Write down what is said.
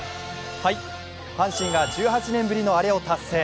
阪神が１８年ぶりのアレを達成。